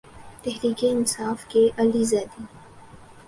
تحریک انصاف کے علی زیدی